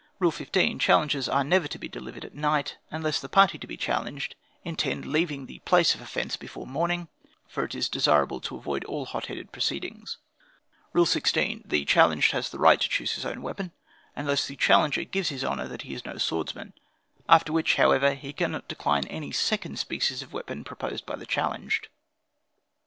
"Rule 15. Challenges are never to be delivered at night, unless the party to be challenged intend leaving the place of offence before morning; for it is desirable to avoid all hot headed proceedings. "Rule 16. The challenged has the right to choose his own weapon, unless the challenger gives his honor he is no swordsman; after which, however, he cannot decline any second species of weapon proposed by the challenged.